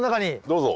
どうぞ。